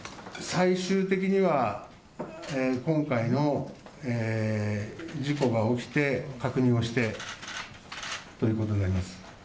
最終的には今回の事故が起きて、確認をしてということになります。